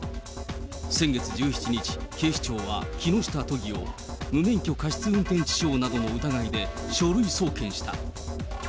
先月１７日、警視庁は木下都議を無免許過失運転致傷などの疑いで書類送検した。